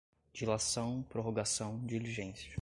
dilação, prorrogação, diligência